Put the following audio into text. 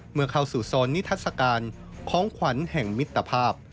เมื่อเข้าสู่โซนนิทัศกาลของขวัญแห่งมิตรภาพ